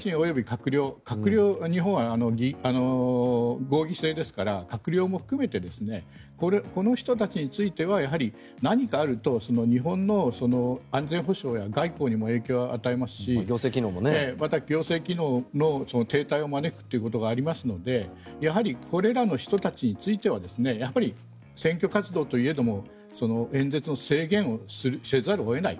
閣僚は日本は合議制ですから閣僚も含めてこの人たちについては何かあると日本の安全保障や外交にも影響を与えますしまた、行政機能の停滞を招くってことがありますのでやはりこれらの人たちについては選挙活動といえども演説の制限をせざるを得ない。